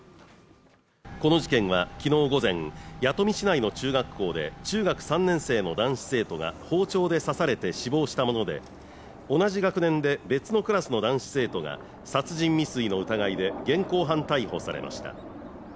この事件はきのう午前弥富市内の中学校で中学３年生の男子生徒が包丁で刺されて死亡したもので同じ学年で別のクラスの男子生徒が殺人未遂の疑いで現行犯逮捕されました